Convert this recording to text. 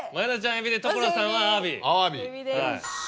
海老で所さんはアワビ。